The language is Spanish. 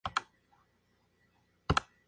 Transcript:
No contiene notas musicales.